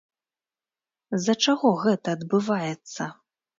З-за чаго гэта адбываецца?